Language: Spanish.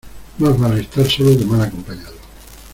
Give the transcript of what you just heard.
Más vale estar solo que mal acompañado.